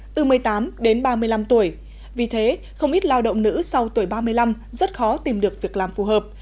từ một mươi tám đến ba mươi năm tuổi vì thế không ít lao động nữ sau tuổi ba mươi năm rất khó tìm được việc làm phù hợp